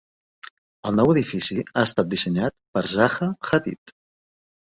El nou edifici ha estat dissenyat per Zaha Hadid.